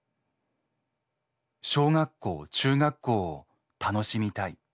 「小学校中学校を楽しみたい。